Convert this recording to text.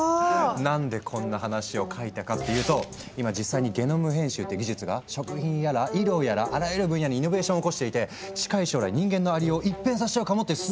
何でこんな話を描いたかっていうと今実際にゲノム編集っていう技術が食品やら医療やらあらゆる分野にイノベーションを起こしていて近い将来人間のありよう一変させちゃうかもっていうすっごい話。